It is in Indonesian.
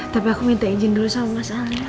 tapi aku minta izin dulu sama mas al ya